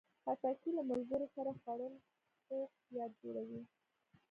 خټکی له ملګرو سره خوړل خوږ یاد جوړوي.